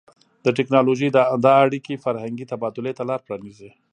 د ټیکنالوژۍ دا اړیکې فرهنګي تبادلې ته لار پرانیزي.